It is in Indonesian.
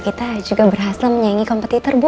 kita juga berhasil menyaingi kompetitor bu